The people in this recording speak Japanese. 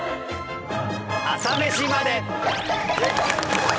『朝メシまで。』。